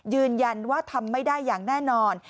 ยืนยันว่าทำไม่ได้อย่างแน่นอน